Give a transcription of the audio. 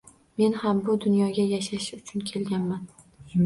Men ham bu dunyoga yashash uchun kelganman.